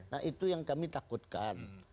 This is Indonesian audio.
nah itu yang kami takutkan